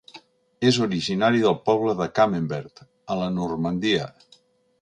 És originari del poble de Camembert, a la Normandia.